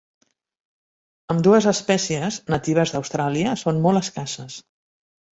Ambdues espècies, natives d'Austràlia, són molt escasses.